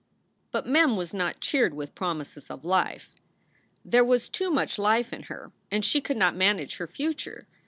But Mem was not cheered with promises of life. There SOULS FOR SALE 89 was too much life in her and she could not manage her future.